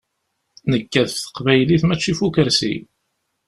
Nekkat ɣef teqbaylit, mačči ɣef ukersi.